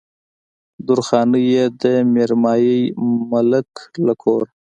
درخانۍ يې د ميرمايي ملک له کوره